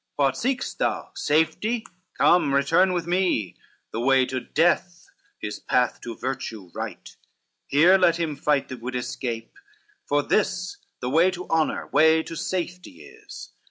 What seek'st thou? safety? come, return with me, The way to death is path to virtue right, Here let him fight that would escape; for this The way to honor, way to safety is."